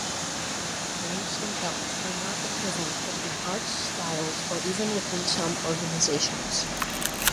Rank and belts are not equivalent between arts, styles, or even within some organizations.